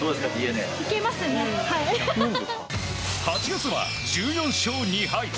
８月は１４勝２敗。